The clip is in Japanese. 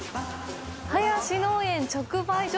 林農園直売所。